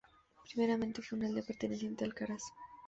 Primeramente fue una aldea perteneciente a Alcaraz.